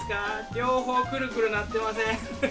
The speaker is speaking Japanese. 両方くるくるなってません？